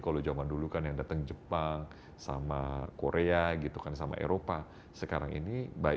kalau zaman dulu kan yang datang jepang sama korea gitu kan sama eropa sekarang ini baik